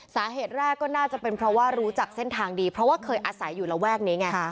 สาเหตุแรกก็น่าจะเป็นเพราะว่ารู้จักเส้นทางดีเพราะว่าเคยอาศัยอยู่ระแวกนี้ไง